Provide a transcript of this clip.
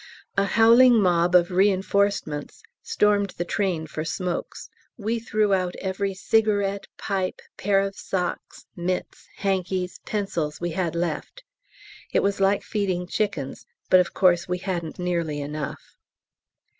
A howling mob of reinforcements stormed the train for smokes. We threw out every cigarette, pipe, pair of socks, mits, hankies, pencils we had left; it was like feeding chickens, but of course we hadn't nearly enough.